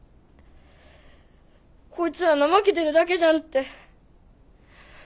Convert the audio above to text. こいつら怠けてるだけじゃんって。